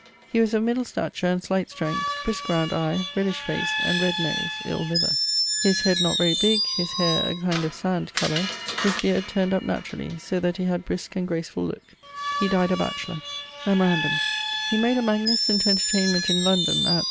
He was of middle stature and slight strength, brisque round eie, reddish fac't and red nose (ill liver), his head not very big, his hayre a kind of sand colour; his beard turnd up naturally, so that he had brisk and gracefull looke. He died a batchelour. Memorandum: he made a magnificent entertainment in London, at